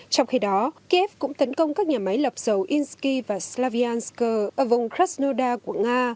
trong khi đó kiev cũng tấn công các nhà máy lập dầu inski và slavyansk ở vùng krasnodar của nga